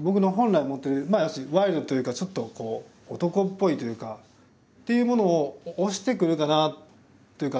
僕の本来持ってる要するにワイルドというかちょっとこう男っぽいというかっていうものを押してくるかなっていうか